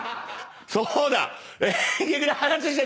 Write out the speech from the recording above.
そうだ！